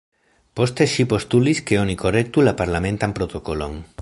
Poste ŝi postulis, ke oni korektu la parlamentan protokolon.